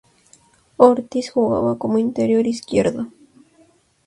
Ortiz jugaba como interior izquierdo.